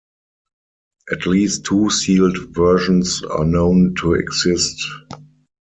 At least two sealed versions are known to exist.